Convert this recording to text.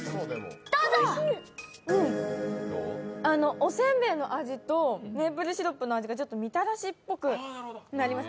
お煎餅の味とメイプルシロップの味がちょっとみたらしっぽくなります。